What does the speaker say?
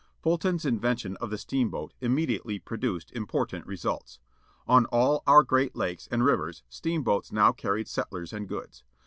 Fulton's invention of the steamboat immediately produced important results. On all our great lakes and rivers steamboats now earned settlers and goods.